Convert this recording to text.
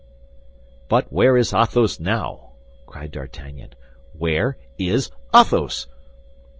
"But where is Athos now?" cried D'Artagnan. "Where is Athos?"